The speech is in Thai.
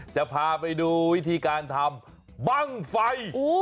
จะพาไปดูวิธีการทำบ้างไฟ